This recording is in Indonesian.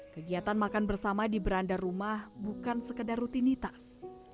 kegiatan makan bersama di beranda rumah bukan sekedar rutinitas